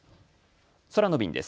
空の便です。